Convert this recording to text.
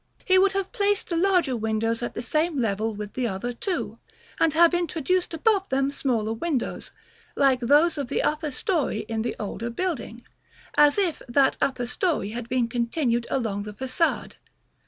He would have placed the larger windows at the same level with the other two, and have introduced above them smaller windows, like those of the upper story in the older building, as if that upper story had been continued along the façade.